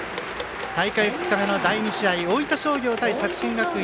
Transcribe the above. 大会２日目の第２試合大分商業対作新学院。